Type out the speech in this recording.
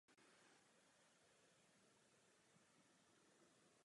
V každém směru se nacházejí dva jízdní pruhy.